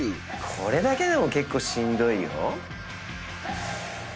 「これだけでも結構しんどいよ」